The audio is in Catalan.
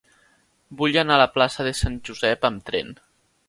Vull anar a la plaça de Sant Josep amb tren.